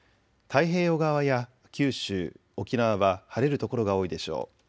太平洋側や九州、沖縄は晴れる所が多いでしょう。